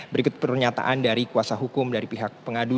berikut pernyataan dari kuasa hukum dari pihak pengadu